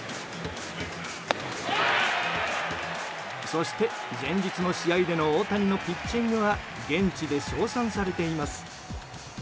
そして、前日の試合での大谷のピッチングは現地で称賛されています。